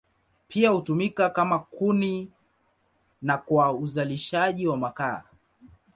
Pia hutumika kama kuni na kwa uzalishaji wa makaa.